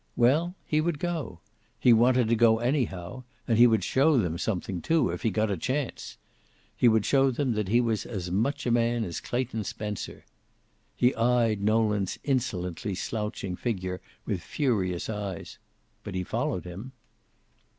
Well, he would go. He wanted to go anyhow, and he would show them something, too, if he got a chance. He would show them that he was as much a man as Clayton Spencer. He eyed Nolan's insolently slouching figure with furious eyes. But he followed him.